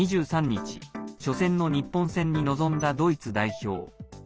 ２３日初戦の日本戦に臨んだドイツ代表。